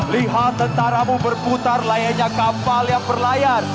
lihat tentara mu berputar layanya kapal yang berlayar